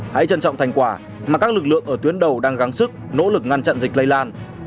hãy trân trọng thành quả mà các lực lượng ở tuyến đầu đang gắn sức nỗ lực ngăn chặn dịch lây lan